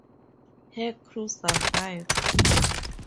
Her crew survived.